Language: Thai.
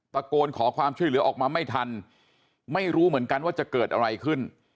ตะโกนขอความช่วยเหลือออกมาไม่ทันไม่รู้เหมือนกันว่าจะเกิดอะไรขึ้น